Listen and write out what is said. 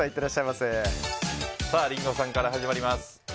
リンゴさんから始まります。